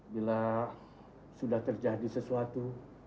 bila sudah terjadi sesuatu